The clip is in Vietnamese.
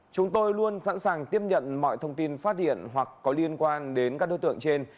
chúng tôi luôn sẵn sàng tiếp nhận mọi thông tin phát hiện hoặc có liên quan đến các đối tượng trên